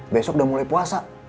besok udah mulai puasa